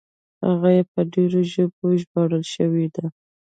هغه یې په ډېرو ژبو ژباړل شوي دي.